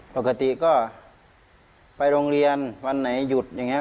ปกติก็ไปโรงเรียนวันไหนหยุดอย่างนี้